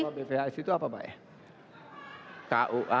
kua pphs itu apa pak